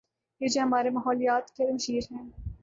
یہ جو ہمارے ماحولیات کے مشیر ہیں۔